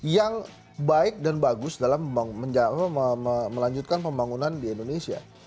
yang baik dan bagus dalam melanjutkan pembangunan di indonesia